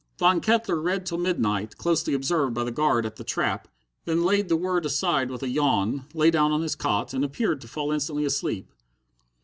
Von Kettler read till midnight, closely observed by the guard at the trap, then laid the word aside with a yawn, lay down on his cot, and appeared to fall instantly asleep.